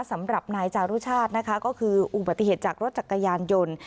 สำหรับนายจารุชาตินะคะก็คืออุบัติเหตุจากรถจักรยานยนต์